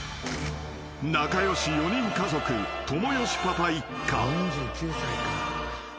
［仲良し４人家族ともよしパパ一家］